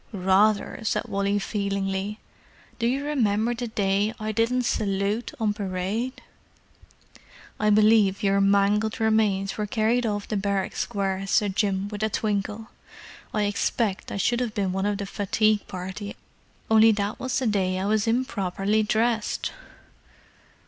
"Rather!" said Wally feelingly. "Do you remember the day I didn't salute on parade?" "I believe your mangled remains were carried off the barrack square," said Jim, with a twinkle. "I expect I should have been one of the fatigue part, only that was the day I was improperly dressed!"